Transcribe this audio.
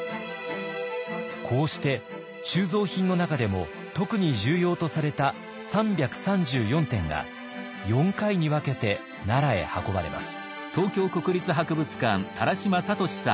こうして収蔵品の中でも特に重要とされた３３４点が４回に分けて奈良へ運ばれます。